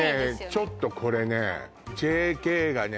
ちょっとこれねＪＫがね